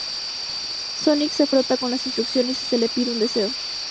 Sonic se frota con las instrucciones, y se le pide un deseo.